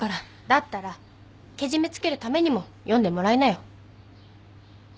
だったらけじめつけるためにも読んでもらいなよ。